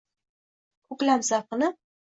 koʼklam zavqini